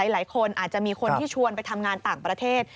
หลายคนอาจจะมีคนที่ชวนไปทำงานต่างประเทศ